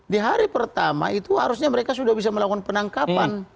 di hari pertama itu harusnya mereka sudah bisa melakukan penangkapan